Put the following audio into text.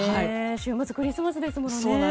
週末クリスマスですものね。